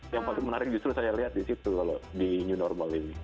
yang paling menarik justru saya lihat disitu loh di new normal ini